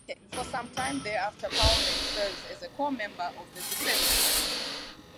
For some time thereafter, Power Man serves as a core member of the Defenders.